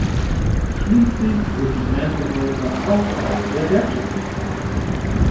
Schließlich sind die Erntehelfer auch Teil der Wertschöpfungskette.